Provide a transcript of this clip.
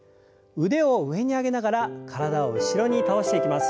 腕を上に上げながら体を後ろに倒していきます。